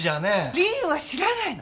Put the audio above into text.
りんは知らないの。